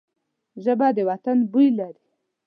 ژبه د وطن بوی لري